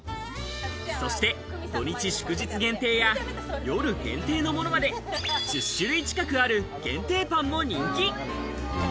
そして土日祝日限定や、夜限定のものまで、１０種類近くある限定パンも人気。